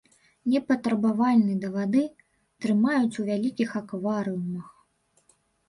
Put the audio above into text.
Непатрабавальны да вады, трымаюць у вялікіх акварыумах.